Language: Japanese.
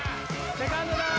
セカンドダウン。